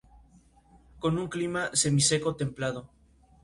Con un clima Semiseco templado.